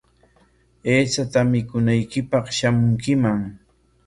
Aychata mikunanchikpaq shamunkiman.